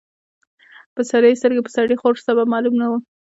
په سرې سترګې به سړی خوړ. سبب معلوم نه و.